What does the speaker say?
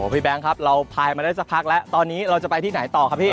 แบงค์ครับเราพายมาได้สักพักแล้วตอนนี้เราจะไปที่ไหนต่อครับพี่